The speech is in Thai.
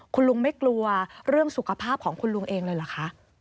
คือว่าเรื่องสุขภาพของคุณลุงเองเลยเหรอคะ